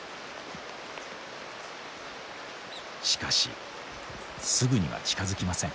しかしすぐには近づきません。